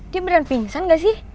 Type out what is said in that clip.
dia berani pingsan gak sih